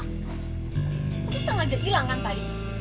lo tuh setengah aja ilang kan tadi